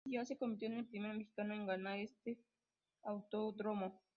Díaz se convirtió en el primer mexicano en ganar en este autódromo.